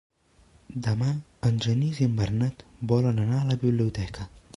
Demà en Genís i en Bernat volen anar a la biblioteca.